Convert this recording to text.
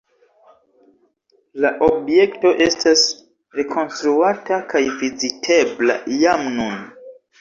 La objekto estas rekonstruata kaj vizitebla jam nun.